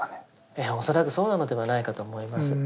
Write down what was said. ええ恐らくそうなのではないかと思います。